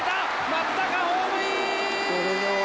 松坂ホームイン！